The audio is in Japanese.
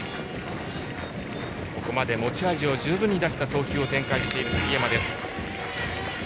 ここまで持ち味を十分に出した投球をしている杉山です。